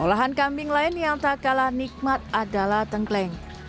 olahan kambing lain yang tak kalah nikmat adalah tengkleng